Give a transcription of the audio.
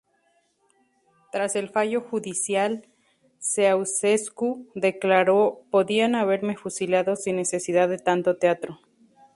Tras el fallo judicial, Ceaușescu declaró: "podían haberme fusilado sin necesidad de tanto teatro".